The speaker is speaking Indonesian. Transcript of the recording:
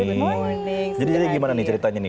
selamat pagi jadi jadi gimana nih ceritanya nih